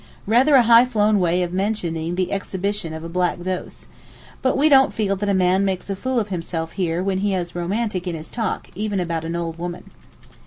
Rather a highflown way of mentioning the 'exhibition' of a black dose. But we don't feel that a man makes a fool of himself here when he is romantic in his talk even about an old woman.